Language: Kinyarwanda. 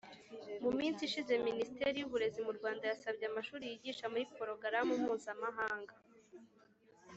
Mu minsi ishize Minisiteri y’Uburezi mu Rwanda yasabye amashuri yigisha muri porogaramu mpuzamahanga